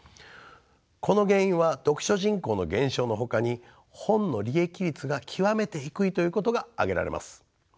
この原因は読書人口の減少のほかに本の利益率が極めて低いということが挙げられます。